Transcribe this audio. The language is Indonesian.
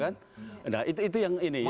nah itu yang benar